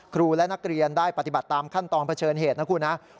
ครูและนักเรียนได้ปฏิบัติตามขั้นตอนเผชิญเหตุนะครับ